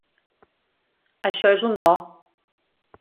Això és un do.